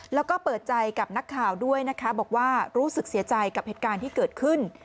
แล้วก็เปิดใจกับนักข่าวด้วยนะคะบอกว่ารู้สึกเสียใจกับเหตุการณ์ที่เกิดขึ้น